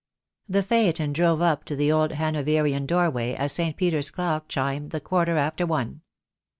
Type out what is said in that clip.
The phaeton drove up to the old Hanoverian door way as St. Peter's clock chimed the quarter after one.